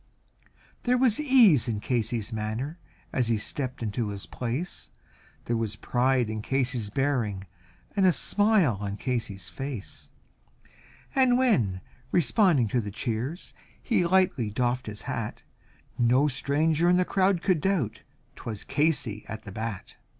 There was ease in Casey's manner as he stepped into his place, There was pride in Casey's bearing and a smile on Casey's face, And when responding to the cheers he lightly doffed his hat, No stranger in the crowd could doubt, 'twas Casey at the bat.